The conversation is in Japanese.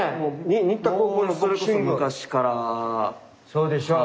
そうでしょう？